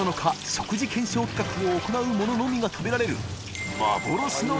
食事検証企画を行う者のみが食べられる森川）